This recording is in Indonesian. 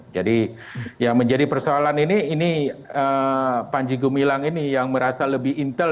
jadi yang menjadi persoalan ini ini panji gumilang ini yang merasa lebih intel